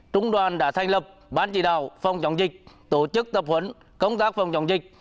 trung đoàn đã thành lập ban chỉ đạo phòng chống dịch tổ chức tập huấn công tác phòng chống dịch